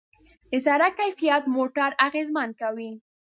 د سړک کیفیت موټر اغېزمن کوي.